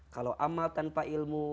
kalau amal tanpa ilmu